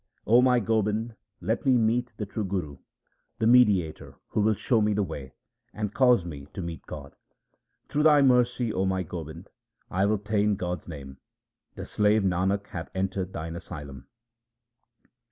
1 0 my Gobind, let me meet the true Guru, the mediator who will show me the way, and cause me to meet God ! Through Thy mercy, O my Gobind, I have obtained God's name ; the slave Nanak hath entered Thine asylum.